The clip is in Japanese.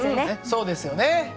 そうですよね。